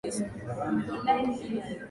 vya mwaka elfu mbili na kumi na tisa